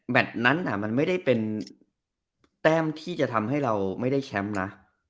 นั้นมันไม่ได้เป็นแต้มที่จะทำให้เราไม่ได้แชมป์นะ